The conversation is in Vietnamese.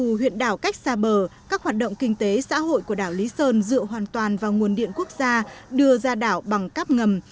dù huyện đảo cách xa bờ các hoạt động kinh tế xã hội của đảo lý sơn dựa hoàn toàn vào nguồn điện quốc gia đưa ra đảo bằng cắp ngầm